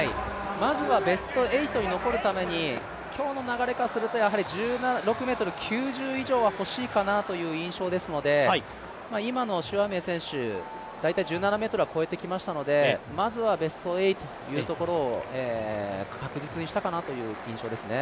まずはベスト８に残るために今日の流れからするとやはり１６ｍ９０以上は欲しいかなという印象ですので今の朱亜明選手、大体１７ｍは越えてきましたのでまずはベスト８というところを確実にしたかなという印象ですね。